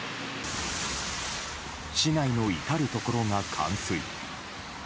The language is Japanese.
市内の至るところが冠水。